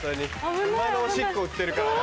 馬のおしっこ売ってるからね。